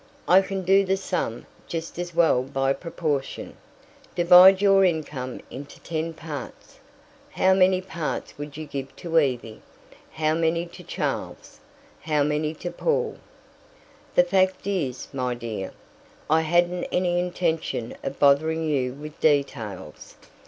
I can do the sum just as well by proportion. Divide your income into ten parts. How many parts would you give to Evie, how many to Charles, how many to Paul?" "The fact is, my dear, I hadn't any intention of bothering you with details.